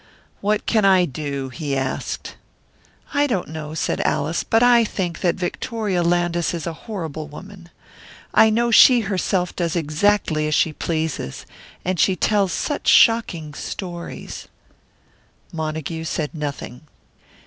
"What can I do?" he asked. "I don't know," said Alice, "but I think that Victoria Landis is a horrible woman. I know she herself does exactly as she pleases. And she tells such shocking stories " Montague said nothing.